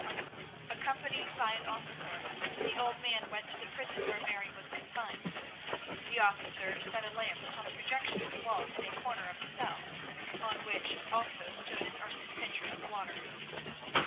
Accompanied by an officer, the old man went to the prison where Mary was confined. The officer set a lamp upon a projection of the wall in a corner of the cell, on which also stood an earthen pitcher of water.